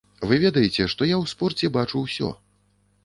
Вы ведаеце, што я ў спорце бачу ўсё.